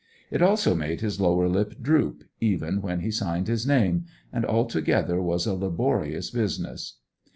It also made his lower lip droop, even when he signed his name, and altogether was a laborious business.